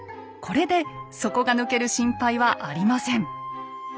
これで底が抜ける心配はありません！